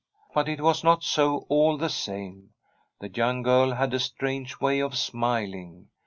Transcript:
But it was not so, all the same. The young girl had a strange way of smiling.